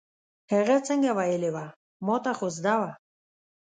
هغه څنګه ویلې وه، ما ته خو زده وه.